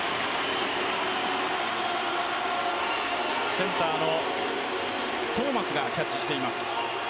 センターのトーマスがキャッチしています。